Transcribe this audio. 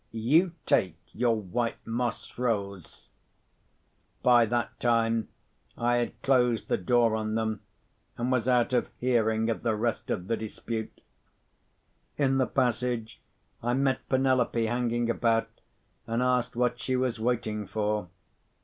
You take your white moss rose——" By that time, I had closed the door on them, and was out of hearing of the rest of the dispute. In the passage, I met Penelope hanging about, and asked what she was waiting for.